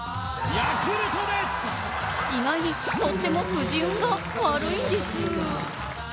意外に、とってもくじ運が悪いんです。